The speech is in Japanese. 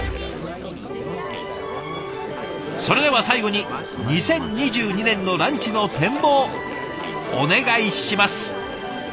それでは最後に２０２２年のランチの展望お願いします！